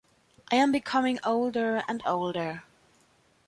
I am becoming older and older.